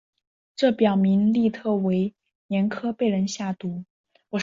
这表明利特维年科被人下毒。